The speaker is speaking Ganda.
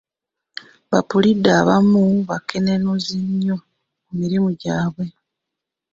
Ba puliida abamu bakenenuzi nnyo mu mirimu gyabwe.